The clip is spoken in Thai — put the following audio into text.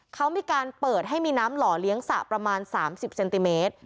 เขามีการเปิดให้มีน้ำหล่อเลี้ยงสระประมาณ๓๐เซนติเมตร